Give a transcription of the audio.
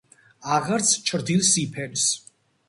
აღარც ჩრდილს იფენს